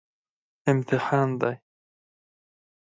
امتحان دی